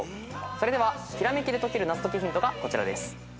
それではひらめきで解ける謎解きヒントがこちらです。